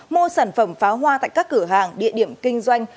mua sản phẩm pháo hoa tại các cửa hàng địa điểm kinh doanh